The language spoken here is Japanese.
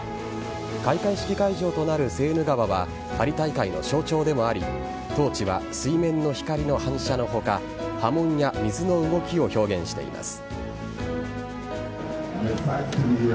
開会式会場となるセーヌ川はパリ大会の象徴でもありトーチは水面の光の反射の他波紋や水の動きを表現しています。